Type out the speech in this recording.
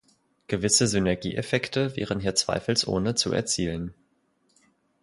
Gewisse Synergieeffekte wären hier zweifelsohne zu erzielen.